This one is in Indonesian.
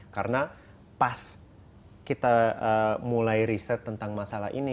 karena pas kita mulai riset tentang masalah ini